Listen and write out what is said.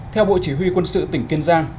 theo bộ chỉ huy quân sự tỉnh kiên giang